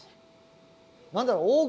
何だろう